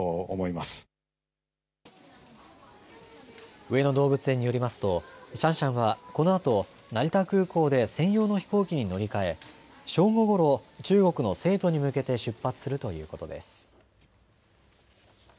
上野動物園によりますとシャンシャンはこのあと成田空港で専用の飛行機に乗り換え、正午ごろ中国の成都に向けて出発するということです。